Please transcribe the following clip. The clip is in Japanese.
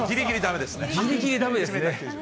ぎりぎりだめですね。